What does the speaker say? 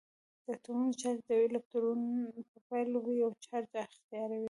د اتومونو چارج د یوه الکترون په بایللو یو چارج اختیاروي.